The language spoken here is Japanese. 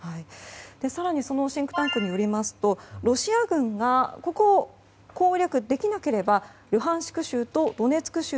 更に、そのシンクタンクによりますとロシア軍がここを攻略できなければルハンシク